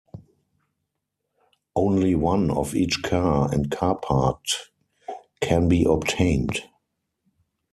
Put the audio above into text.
Only one of each car and car part can be obtained.